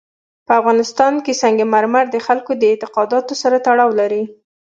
په افغانستان کې سنگ مرمر د خلکو د اعتقاداتو سره تړاو لري.